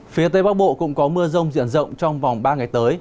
phía tây bắc bộ cũng có mưa rông diện rộng trong vòng ba ngày tới